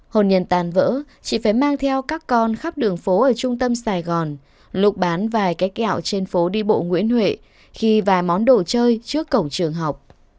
hồn nhiên tàn vỡ chị phải mang theo các con khắp đường phố ở trung tâm sài gòn lục bán vài cái kẹo trên phố đi bộ nguyễn huệ khi vài món đồ chơi trước cổng trường học